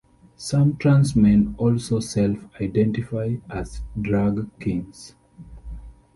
Some transmen also self-identify as drag kings.